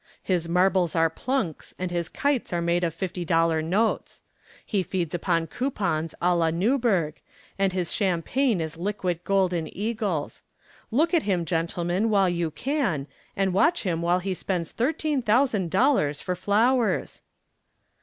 His marbles are plunks and his kites are made of fifty dollar notes. He feeds upon coupons a la Newburgh, and his champagne is liquid golden eagles. Look at him, gentlemen, while you can, and watch him while he spends thirteen thousand dollars for flowers!"